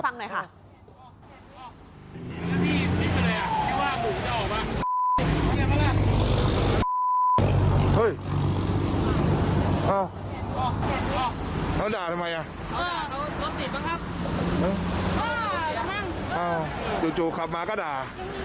นี่ลองดูหน่อยนะคะขอบคุณฟังหน่อยค่ะ